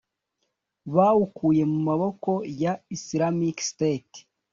bawukuye mu maboko ya Islamic State